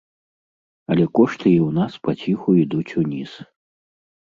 Але кошты і ў нас паціху ідуць уніз.